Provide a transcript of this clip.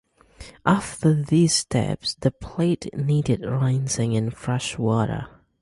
After these steps the plate needed rinsing in fresh water.